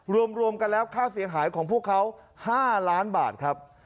รวมกันแล้วค่าเสียหายของพวกเขา๕ล้านบาทครับ